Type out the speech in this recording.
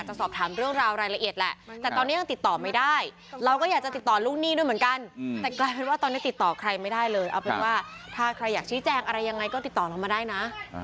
แจกอะไรยังไงก็ติดต่อเข้ามาได้นะ